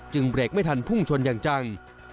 เบรกไม่ทันพุ่งชนอย่างจัง